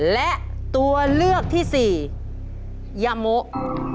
และตัวเลือกที่สี่ยาโมะ